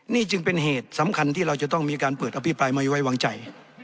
นี่จึงเป็นเหตุสำคัญที่เราจะต้องมีการเปิดอภิปรายไม่ไว้วางใจ